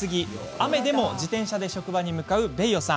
雨でも自転車で職場に向かうベイヨさん。